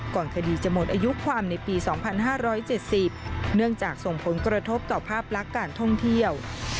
ก่อนคดีจะหมดอายุความในปี๒๕๗๐เนื่องจากส่งผลกระทบต่อภาพลักษณ์การท่องเที่ยว